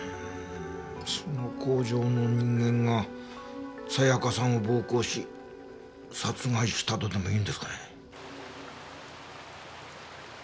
その工場の人間がさやかさんを暴行し殺害したとでもいうんですかね？